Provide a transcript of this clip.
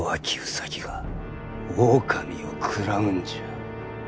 兎が狼を食らうんじゃ。